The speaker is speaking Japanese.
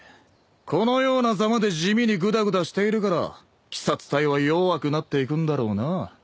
このようなざまで地味にぐだぐだしているから鬼殺隊は弱くなっていくんだろうな。